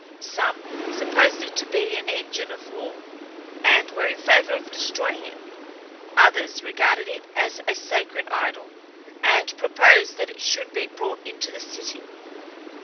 Some supposed it to be an engine of war, and were in favour of destroying it, others regarded it as a sacred idol, and proposed that it should be brought into the city.